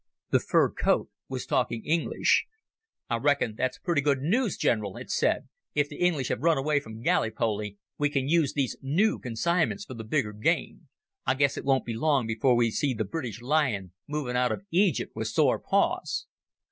The fur coat was talking English. "I reckon that's pretty good noos, General," it said; "if the English have run away from Gally poly we can use these noo consignments for the bigger game. I guess it won't be long before we see the British lion moving out of Egypt with sore paws."